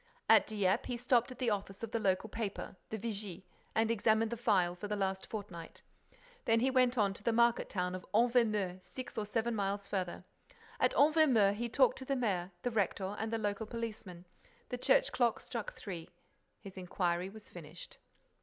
At Dieppe, he stopped at the office of the local paper, the Vigie, and examined the file for the last fortnight. Then he went on to the market town of Envermeu, six or seven miles farther. At Envermeu, he talked to the mayor, the rector and the local policeman. The church clock struck three. His inquiry was finished.